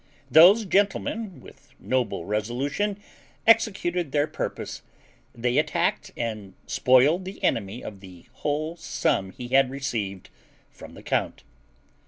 Those gentlemen with noble resolution executed their purpose; they attacked and spoiled the enemy of the whole sum he had received from the count.